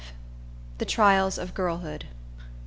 V. The Trials Of Girlhood.